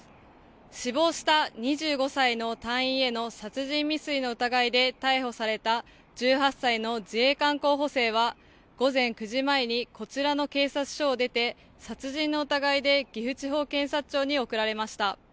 死亡した２５歳の隊員への殺人未遂の疑いで逮捕された１８歳の自衛官候補生は午前９時前にこちらの警察署を出て殺人の疑いで岐阜地方検察庁に送られました。